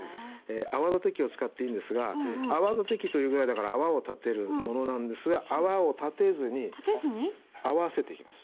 泡立て器を使っていいんですが泡立て器というぐらいだから泡を立てるものなんですが泡を立てずに合わせていきます。